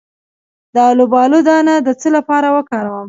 د الوبالو دانه د څه لپاره وکاروم؟